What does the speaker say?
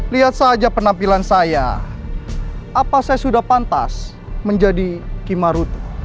lihat saja penampilan saya apa saya sudah pantas menjadi kimarutu